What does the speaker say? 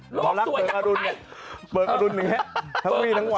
หมอลักษณ์เบิกอรุณหมอลักษณ์เบิกอรุณอย่างนี้ทั้งวีทั้งวัน